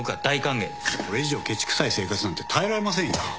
これ以上ケチくさい生活なんて耐えられませんよ。